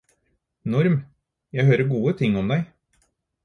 Norm, jeg hører gode ting om deg